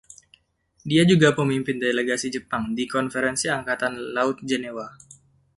Dia juga pemimpin delegasi Jepang di Konferensi Angkatan Laut Jenewa.